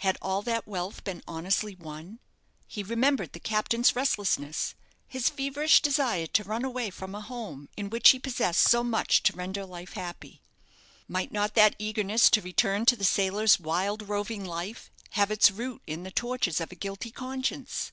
Had all that wealth been honestly won? He remembered the captain's restlessness his feverish desire to run away from a home in which he possessed so much to render life happy. Might not that eagerness to return to the sailor's wild, roving life have its root in the tortures of a guilty conscience?